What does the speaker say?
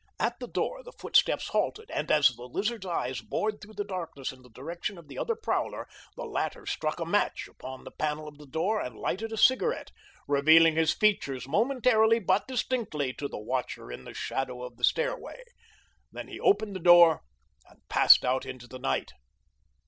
At the door the footsteps halted, and as the Lizard's eyes bored through the darkness in the direction of the other prowler the latter struck a match upon the panel of the door and lighted a cigarette, revealing his features momentarily but distinctly to the watcher in the shadow of the stairway. Then he opened the door and passed out into the night.